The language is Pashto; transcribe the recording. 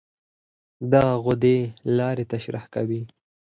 دغه غدې لاړې ترشح کوي.